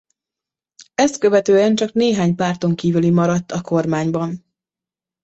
Ezt követően csak néhány párton kívüli maradt a kormányban.